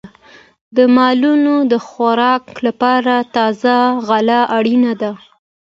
د مالونو د خوراک لپاره تازه غله اړینه ده.